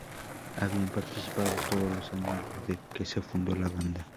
Habían participado todos los años desde que se fundó la banda.